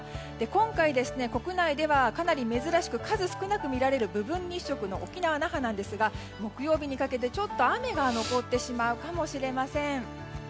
今回、国内ではかなり珍しく数少なく見られる部分日食の沖縄・那覇なんですが木曜日にかけてちょっと雨が残ってしまうかもしれません。